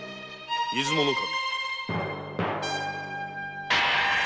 出雲守。